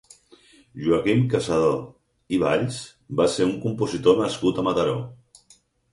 Joaquim Cassadó i Valls va ser un compositor nascut a Mataró.